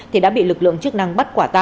thì đã bị lực lượng chức năng